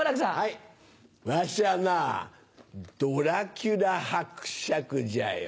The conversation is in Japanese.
わしはなドラキュラ伯爵じゃよ。